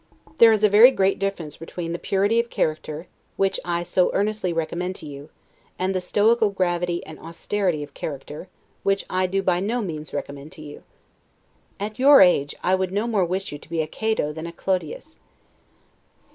There is a very great difference between the purity of character, which I so earnestly recommend to you, and the stoical gravity and austerity of character, which I do by no means recommend to you. At your age, I would no more wish you to be a Cato than a Clodius.